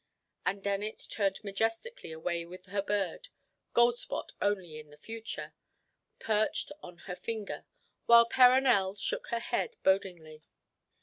And Dennet turned majestically away with her bird—Goldspot only in the future—perched on her finger; while Perronel shook her head bodingly.